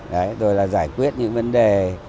đấy rồi là giải quyết những vấn đề